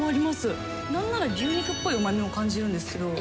何なら牛肉っぽいうまみも感じるんですけど。